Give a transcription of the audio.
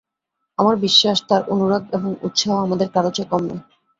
আমার বিশ্বাস, তাঁর অনুরাগ এবং উৎসাহ আমাদের কারো চেয়ে কম নয়।